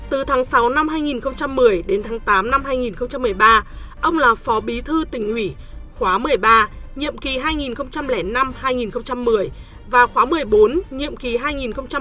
từ tháng sáu năm hai nghìn một mươi đến tháng tám năm hai nghìn một mươi ba ông là phó bí thư tỉnh ủy khóa một mươi ba nhiệm kỳ hai nghìn năm hai nghìn một mươi và khóa một mươi bốn nhiệm kỳ hai nghìn một mươi sáu hai nghìn một mươi sáu